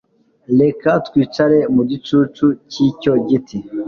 Reka twicare mu gicucu cyicyo giti